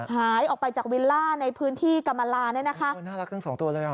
หายออกไปจากวิลล่าในพื้นที่กรรมลาน่ารักจัง๒ตัวเลย